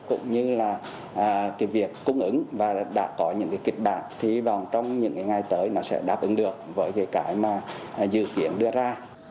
cái việc cung ứng và đã có những cái kịch bản thì vòng trong những ngày tới nó sẽ đáp ứng được với cái mà dự kiến đưa ra